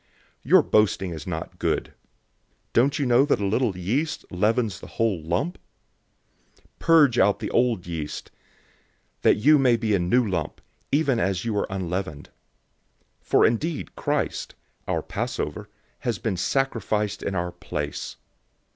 005:006 Your boasting is not good. Don't you know that a little yeast leavens the whole lump? 005:007 Purge out the old yeast, that you may be a new lump, even as you are unleavened. For indeed Christ, our Passover, has been sacrificed in our place.